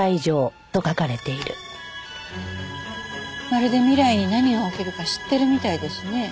まるで未来に何が起きるか知ってるみたいですね。